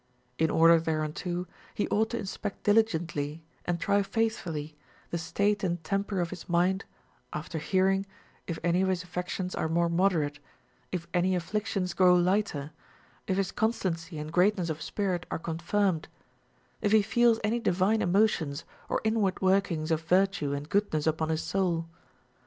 In order there unto, he ought to inspect diligently and try faithfully the state and temper of his mind after hearing, if any of his afl"ections are more moderate, if any afflictions grow lighter, if his constancy and greatness of spirit are confirmed, if he feels any divine emotions or inward workings of virtue and goodness upon his soul.